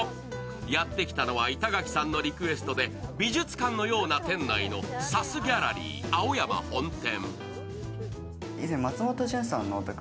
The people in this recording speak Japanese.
やってきたのは板垣さんのリクエストで美術館のような店内のＳＵＳｇａｌｌｅｒｙ青山本店。